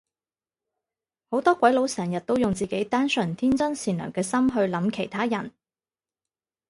好多鬼佬成日都用自己單純天真善良嘅心去諗其他人